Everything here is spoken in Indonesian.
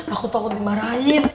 aku takut dimarahin